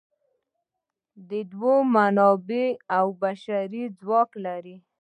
دوی منابع او بشري ځواک لري.